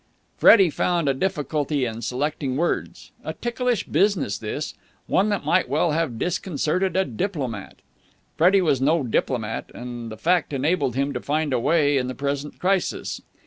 Freddie found a difficulty in selecting words. A ticklish business, this. One that might well have disconcerted a diplomat. Freddie was no diplomat, and the fact enabled him to find a way in the present crisis.